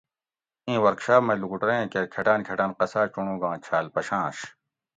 ایں ورکشاپ مئ لوکوٹوریں کیر کھٹاۤن کھٹاۤں قصا چونڑوگاں چھال پشاںش